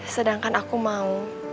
sedangkan aku mau